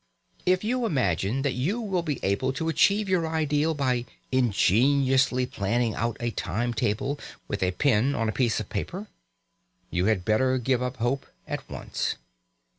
If you imagine that you will be able to achieve your ideal by ingeniously planning out a time table with a pen on a piece of paper, you had better give up hope at once.